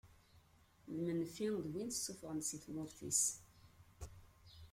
Imenfi d win sufɣen si tmurt-is.